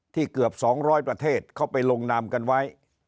เกือบ๒๐๐ประเทศเข้าไปลงนามกันไว้